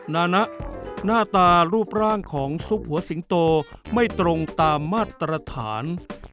นะหน้าตารูปร่างของซุปหัวสิงโตไม่ตรงตามมาตรฐาน